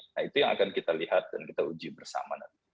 nah itu yang akan kita lihat dan kita uji bersama nanti